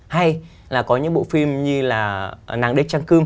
hay là có những bộ phim như là nàng đếch trang cương